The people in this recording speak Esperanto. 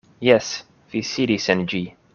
Jes; vi sidis en ĝi.